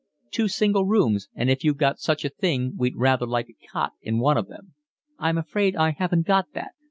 "Two single rooms, and if you've got such a thing we'd rather like a cot in one of them." "I'm afraid I haven't got that.